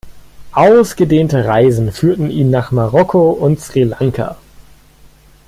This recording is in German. Ausgedehnte Reisen führten ihn nach Marokko und Sri Lanka.